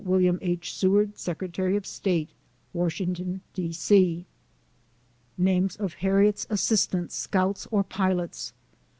WM. H. SEWAKD, Secretary of State, Washington, D. C. Names of Harriet's Assistants, /Scouts, or Pilots.